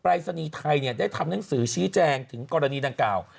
รายศนีย์ไทยได้ทำหนังสือชี้แจงถึงกรณีดังกล่าว